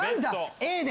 Ａで。